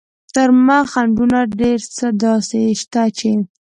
تر مخ خنډونه ډېر څه داسې شته چې.